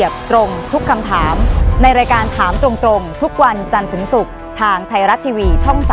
โปรดติดตามตอนต่อไป